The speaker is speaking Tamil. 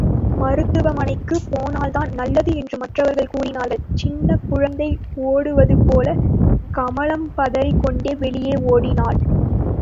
மருத்துவமனைக்குப் போனால்தான் நல்லது என்று மற்றவர்கள் கூறினார்கள், சின்னக் குழந்தை ஓடுவதுபோல, கமலம் பதறிக் கொண்டே வெளியே ஓடினாள்.